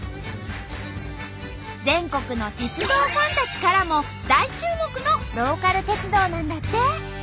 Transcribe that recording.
全国の鉄道ファンたちからも大注目のローカル鉄道なんだって。